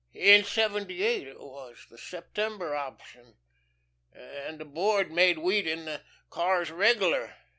In seventy eight it was the September option. And the Board made wheat in the cars 'regular.'"